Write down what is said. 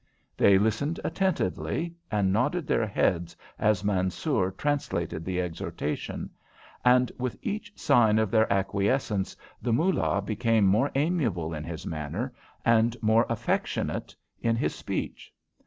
They listened attentively and nodded their heads as Mansoor translated the exhortation, and with each sign of their acquiescence the Moolah became more amiable in his manner and more affectionate in his speech.